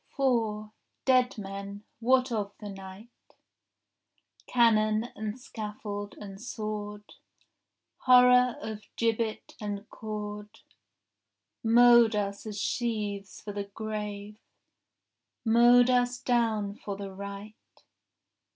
4 Dead men, what of the night?— Cannon and scaffold and sword, Horror of gibbet and cord, Mowed us as sheaves for the grave, Mowed us down for the right.